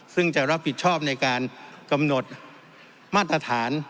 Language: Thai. ซึ่งจะรับผิดชอบในการกำหนดมาตรฐาน